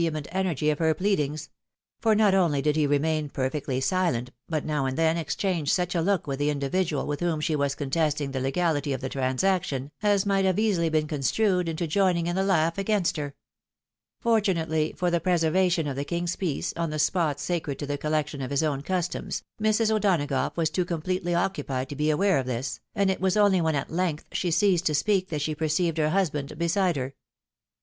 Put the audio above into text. ment energy of her pleadings ; for not only did he remain per fectly sUent, but now and then exchanged such a look with the individual with whom she was contesting the legality of the transaction, as might have easily been construed into joining in the laugh against her. Fortunately for the preservation of the King's peace, on the spot sacred to the collection of his own customs, Mrs. O'Donagough was too completely occupied to be aware of this, and it was only when at length she ceased to speak, that she perceived her husband beside her.